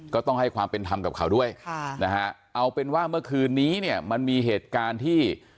ก็ต้องให้ความเป็นธรรมกับเขาด้วยค่ะนะฮะเอาเป็นว่าเมื่อคืนนี้เนี่ยมันมีเหตุการณ์ที่